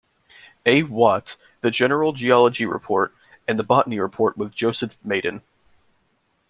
A. Watt, the general geology report, and the botany report with Joseph Maiden.